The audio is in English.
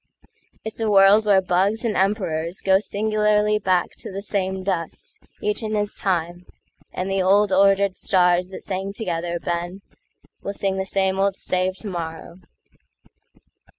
It's all a world where bugs and emperorsGo singularly back to the same dust, Each in his time; and the old, ordered starsThat sang together, Ben, will sing the sameOld stave tomorrow."